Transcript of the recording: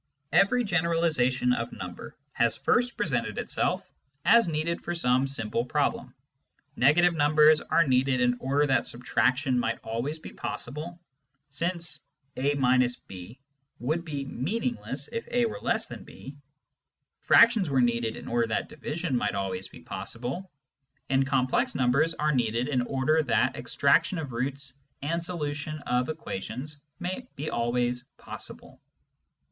Every generalisation of number has first presented itself as needed for some simple problem : negative numbers were needed in order that subtraction might be always possible, since otherwise a— b would be meaningless if a were less than b ; fractions were needed Rational, Real, and Complex Numbers 75 in order that division might be always possible ; and complex numbers are needed in order that extraction of roots and solu tion of equations may be always possible.